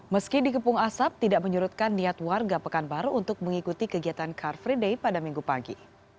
meski dikepung asap tidak menyurutkan niat warga pekanbaru untuk mengikuti kegiatan car free day pada minggu pagi